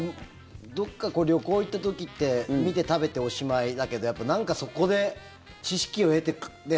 どこか旅行に行った時って見て食べておしまいだけどなんかそこで知識を得て。